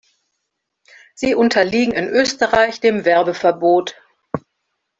Sie unterliegen in Österreich dem Werbeverbot.